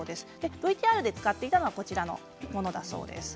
ＶＴＲで使っていたのはこちらのものです。